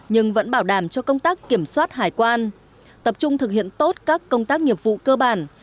nhưng vẫn bảo đảm cho công tác kiểm soát hải quan tập trung thực hiện tốt các công tác nghiệp vụ cơ bản